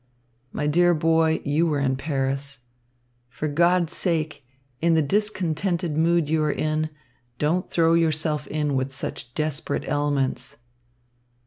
My dear boy, you were in Paris. For God's sake, in the discontented mood you are in, don't throw yourself in with such desperate elements.